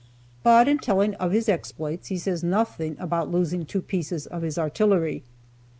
But, in telling of his exploits, he says nothing about losing two pieces of his artillery.